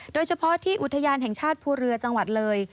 โดยเฉพาะที่อุทยานแห่งชาติภูเรือจังหวัดเลย